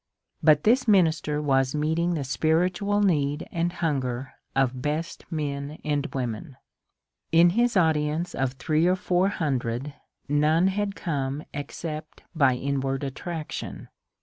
But this minister was meeting the spiritual need and hunger of best men and women. In his audience of three or four hundred none had come except by inward attraction.